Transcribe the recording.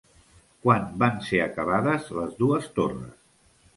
Quan van ser acabades les dues torres?